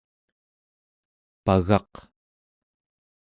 pagaq